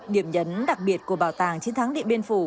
điểm nhấn đặc biệt của bảo tàng chiến thắng là những lịch sử hào hùng